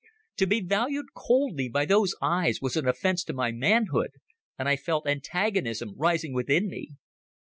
To be valued coldly by those eyes was an offence to my manhood, and I felt antagonism rising within me.